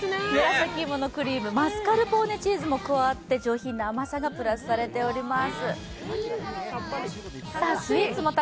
紫芋のクリーム、マスカルポーネチーズも加わって上品な甘さがプラスされております。